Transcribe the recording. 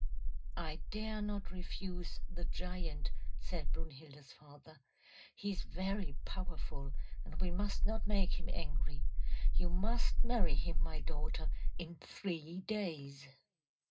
"'I dare not refuse the giant,' said Brunhilda's father. 'He is very powerful, and we must not make him angry. You must marry him, my daughter, in three days.'